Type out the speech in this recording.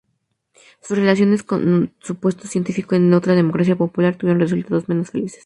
Sus relaciones con un supuesto científico en otra "Democracia Popular" tuvieron resultados menos felices.